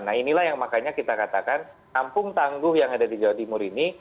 nah inilah yang makanya kita katakan kampung tangguh yang ada di jawa timur ini